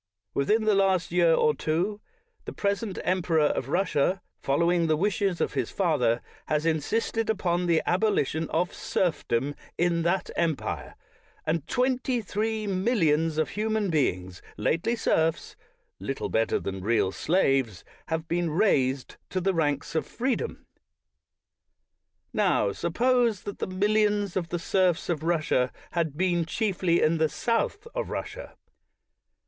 Within the last year or two, the present emperor of Russia, following the wishes of his father, has insisted upon the abolition of serfdom in that empire ; and twenty three millions of human beings, lately serfs, little better than real slaves, have been raised to the ranks of freedom. Now, suppose that the mil lions of the serfs of Russia had been chiefly in the south of Russia.